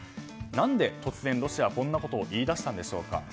何で突然、ロシアはこんなことを言い出したのか。